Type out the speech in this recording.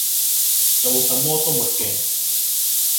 做什麼都沒勁